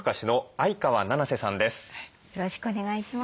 よろしくお願いします。